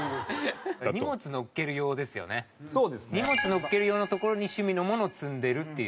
荷物載っける用の所に趣味のものを積んでるっていう。